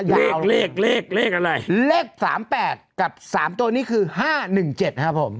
เลขเลขเลขเลขอะไรเลขสามแปดกับสามตัวนี้คือห้าหนึ่งเจ็ดครับผม